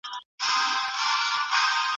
يوازي دي د خپلو والدينو خدمت ته ورځي.